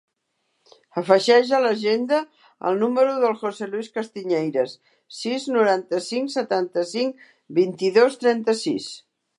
Afegeix a l'agenda el número del José luis Castiñeiras: sis, noranta-cinc, setanta-cinc, vint-i-dos, trenta-sis.